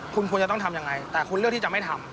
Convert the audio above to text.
คุณควรจะต้องทำยังไงแต่คุณเลือกที่จะไม่ทำ